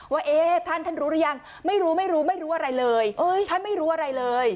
ว่าเอ๊ะท่านท่านรู้หรือยังไม่รู้ไม่รู้อะไรเลยท่านไม่รู้อะไรเลย